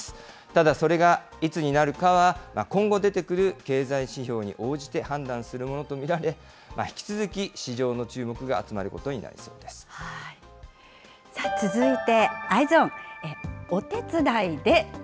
ただ、それがいつになるかは、今後出てくる経済指標に応じて判断するものと見られ、引き続き市場の注目が集まることになりそうで続いて、Ｅｙｅｓｏｎ。